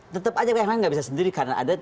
tetap aja kemhan gak bisa sendiri karena ada